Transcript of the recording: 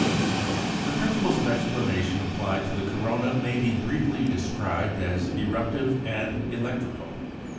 The principles of explanation applied to the corona may be briefly described as eruptive and electrical.